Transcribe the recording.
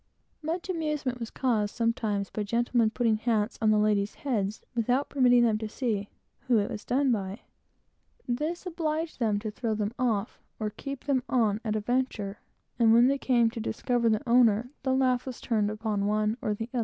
Much amusement was caused sometimes by gentlemen putting hats on the ladies' heads, without permitting them to see whom it was done by. This obliged them to throw them off, or keep them on at a venture, and when they came to discover the owner, the laugh was often turned upon them.